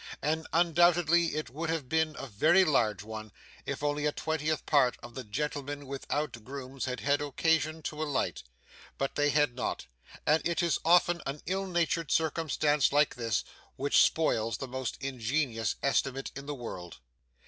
And undoubtedly it would have been a very large one, if only a twentieth part of the gentlemen without grooms had had occasion to alight; but they had not; and it is often an ill natured circumstance like this, which spoils the most ingenious estimate in the world.